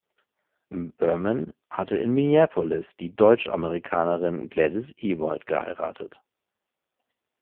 Berman hatte in Minneapolis die Deutsch-Amerikanerin "Gladys Ewald" geheiratet.